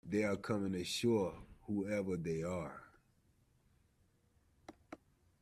They are coming ashore, whoever they are.